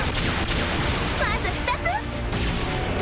まず２つ。